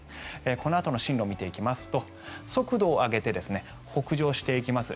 このあとの進路を見ていきますと速度を上げて北上していきます。